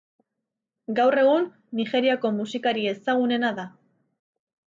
Gaur egun Nigeriako musikari ezagunena da.